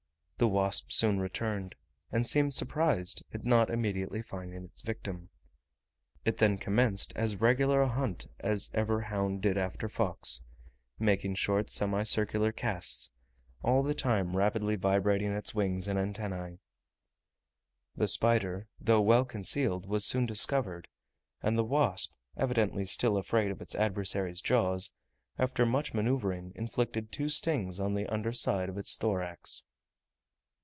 The wasp soon returned, and seemed surprised at not immediately finding its victim. It then commenced as regular a hunt as ever hound did after fox; making short semicircular casts, and all the time rapidly vibrating its wings and antennae. The spider, though well concealed, was soon discovered, and the wasp, evidently still afraid of its adversary's jaws, after much manoeuvring, inflicted two stings on the under side of its thorax.